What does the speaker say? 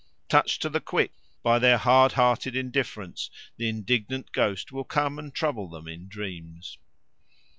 Touched to the quick by their hard hearted indifference the indignant ghost will come and trouble them in dreams.